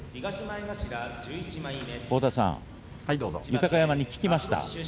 豊山に聞きました。